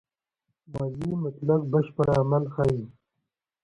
ماضي مطلق بشپړ عمل ښيي.